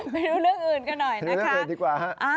ไปดูเรื่องอื่นก็หน่อยนะคะ